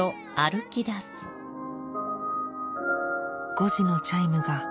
５時のチャイムが